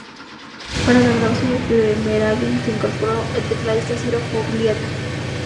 Para la grabación del primer álbum se incorporó el tecladista Ciro Fogliatta.